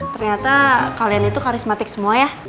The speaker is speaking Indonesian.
ternyata kalian itu karismatik semua ya